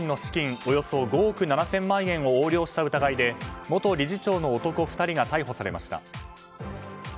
およそ５億７０００万円を横領した疑いで元理事長の男２人が逮捕されました。